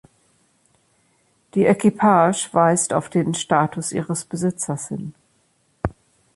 Die Equipage weist auf den Status ihres Besitzers hin.